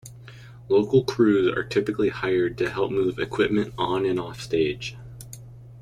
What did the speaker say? Local crews are typically hired to help move equipment on and off stage.